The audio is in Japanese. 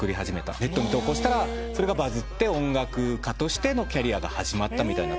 ネットに投稿したらそれがバズって音楽家としてのキャリアが始まったタイプ。